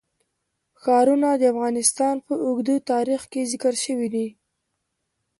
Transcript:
ښارونه د افغانستان په اوږده تاریخ کې ذکر شوی دی.